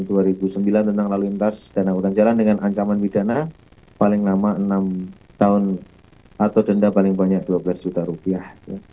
dan dua ribu sembilan tentang lalu lintas danah hutan jalan dengan ancaman bidana paling lama enam tahun atau denda paling banyak dua belas juta rupiah